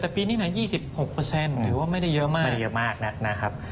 แต่ปีนี้เนี่ย๒๖เปอร์เซ็นต์หรือว่าไม่ได้เยอะมากไม่ได้เยอะมากนะครับ